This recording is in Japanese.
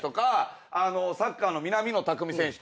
サッカーの南野拓実選手とか。